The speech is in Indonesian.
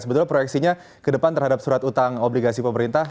sebetulnya proyeksinya ke depan terhadap surat utang obligasi pemerintah